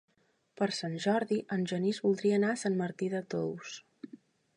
Per Sant Jordi en Genís voldria anar a Sant Martí de Tous.